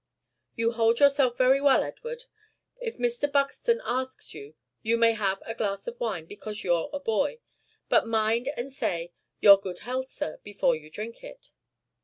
You hold yourself very well, Edward. If Mr. Buxton asks you, you may have a glass of wine, because you're a boy. But mind and say, 'Your good health, sir,' before you drink it."